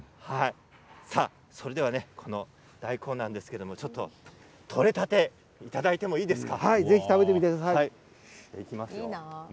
それでは、この大根なんですが取れたていただいてもいいですか？